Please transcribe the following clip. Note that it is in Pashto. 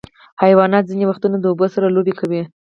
حیوانات ځینې وختونه د اوبو سره لوبې کوي.